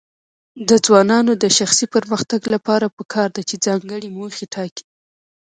د ځوانانو د شخصي پرمختګ لپاره پکار ده چې ځانګړي موخې ټاکي.